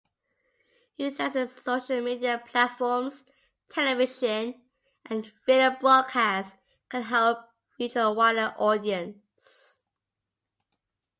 Utilizing social media platforms, television, and radio broadcasts can help reach a wider audience.